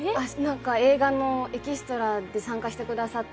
映画のエキストラで参加してくださって。